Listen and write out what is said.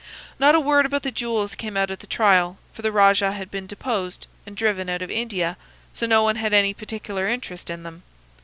Not a word about the jewels came out at the trial, for the rajah had been deposed and driven out of India: so no one had any particular interest in them.